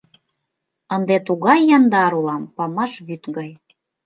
— Ынде тугай яндар улам — памаш вӱд гай.